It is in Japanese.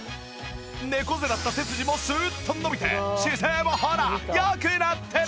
猫背だった背筋もスッと伸びて姿勢もほら良くなってる！